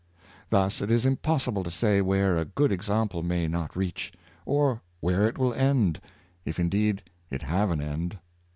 Thus it is impossible to say where a good exam ple may not reach, or where it will end, if indeed it have an end.